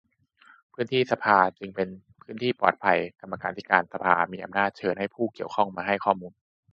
พื้นที่สภาจึงเป็นพื้นที่ปลอดภัย กรรมาธิการสภามีอำนาจเชิญให้ผู้เกี่ยวข้องมาให้ข้อมูล